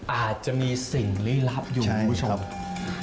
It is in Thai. อาจจะมีสิ่งหลียรับอยู่เพื่อหาของเราครับใช่ครับ